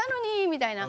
みたいな。